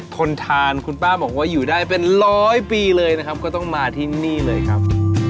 ทนทานคุณป้าบอกว่าอยู่ได้เป็นร้อยปีเลยนะครับก็ต้องมาที่นี่เลยครับ